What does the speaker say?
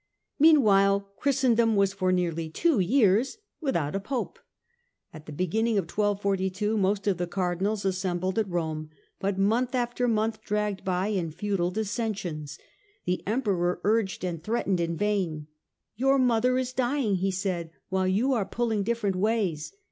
Meanwhile Christendom was for nearly two years without a Pope. At the beginning of 1242 most of the Cardinals assembled at Rome, but month after month dragged by in futile dissensions. The Emperor urged and threatened in vain. " Your mother is dying," he said, " while you are pulling different ways."